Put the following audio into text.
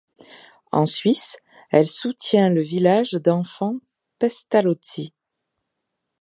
En Suisse, elle soutient le village d'enfants Pestalozzi.